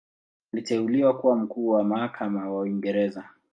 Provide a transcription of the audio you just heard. Aliteuliwa kuwa Mkuu wa Mahakama wa Uingereza.